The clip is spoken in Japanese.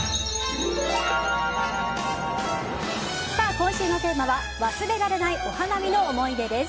今週のテーマは忘れられないお花見の思い出です。